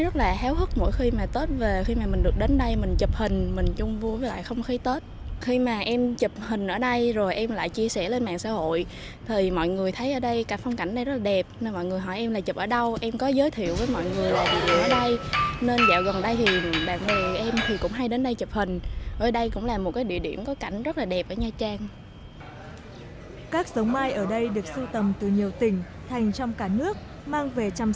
các giống mai ở đây được sưu tầm từ nhiều tỉnh thành trong cả nước mang về chăm sóc nuôi dưỡng